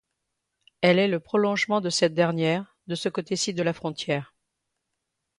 Elle est le prolongement de cette dernière de ce côté-ci de la frontière.